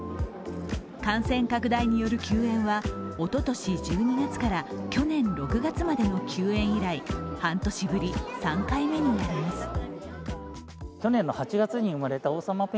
感染拡大による休園は、おととし１２月から去年６月までの休園以来、半年ぶり３回目になります。